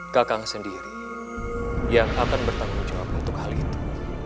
kakang sendiri yang akan bertanggung jawab untuk hal itu